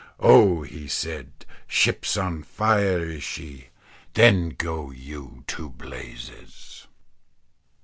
"Oh!" he said; "ship's on fire, is she. Then go you to blazes."